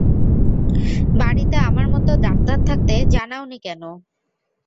বাড়ীতে আমার মতো ডাক্তার থাকতে জানাওনি কেন?